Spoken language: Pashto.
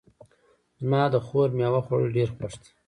زما د خور میوه خوړل ډېر خوښ ده